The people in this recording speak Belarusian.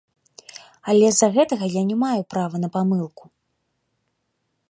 Але з-за гэтага я не маю права на памылку.